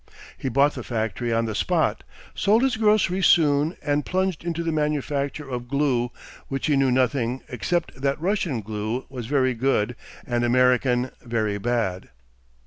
He bought the factory on the spot, sold his grocery soon, and plunged into the manufacture of glue, of which he knew nothing except that Russian glue was very good and American very bad.